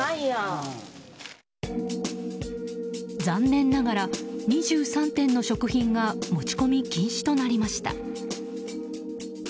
残念ながら２３点の食品が持ち込み禁止となりました。